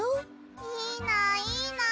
いいないいな！